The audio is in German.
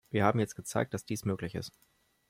Wir haben jetzt gezeigt, dass dies möglich ist.